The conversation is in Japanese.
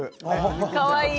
かわいい。